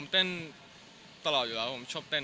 แต่มันอร่อยแล้วผมชอบเต้น